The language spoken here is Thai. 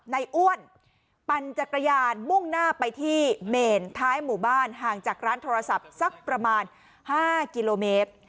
อ้วนปั่นจักรยานมุ่งหน้าไปที่เมนท้ายหมู่บ้านห่างจากร้านโทรศัพท์สักประมาณ๕กิโลเมตร